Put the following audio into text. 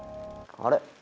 あれ？